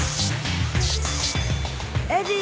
エディ！